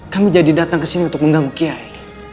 kami jadi datang kesini untuk mengganggu kiai